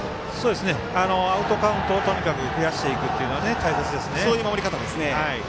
アウトカウントをとにかく増やしていくのが大切ですよね。